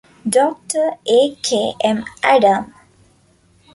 Doctor A. K. M. Adam.